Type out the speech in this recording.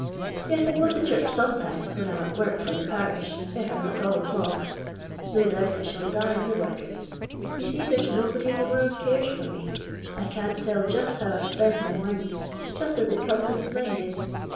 Tes, I go to ehnrch sometimes when I "m at work for the parish, if I'm at all togged. No doobt I shall die in the workas. You see there's nobody in the world caret for me. I can't tell just how I spend my money; just as it comes into my head.